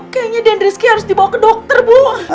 kayaknya dan rizky harus dibawa ke dokter bu